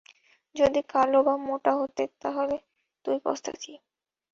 যদি কালো বা মোটা হতো তাহলে তুই পস্তাতি।